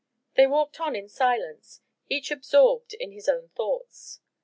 They walked on in silence, each absorbed in his own thoughts.